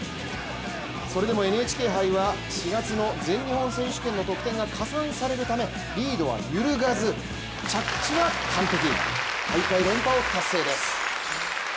それでもＮＨＫ杯は４月の全日本選手権の得点が加算されるため、リードは揺るがず着地は完璧。